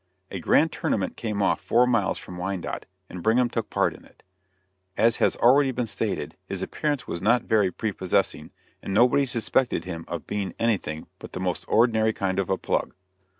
A grand tournament came off four miles from Wyandotte, and Brigham took part in it. As has already been stated, his appearance was not very prepossessing, and nobody suspected him of being anything but the most ordinary kind of a plug.